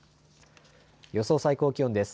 予想最高気温です。